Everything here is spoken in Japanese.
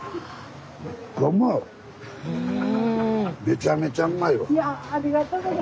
めちゃめちゃうまいわ。